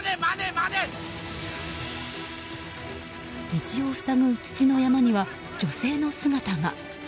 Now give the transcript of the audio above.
道を塞ぐ土の山には女性の姿が。